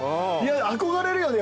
憧れるよね